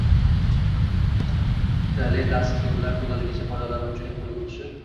Qutili dasturlar to’laligicha foydalanuvchining qo’liga o’tishi